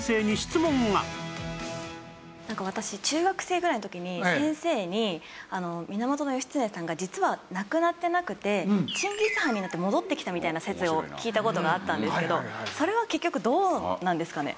私中学生ぐらいの時に先生に源義経さんが実は亡くなってなくてチンギス・ハンになって戻ってきたみたいな説を聞いた事があったんですけどそれは結局どうなんですかね？